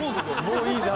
もういいゼ！